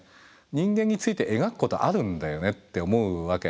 人間について描くことあるんだよねって思うわけ。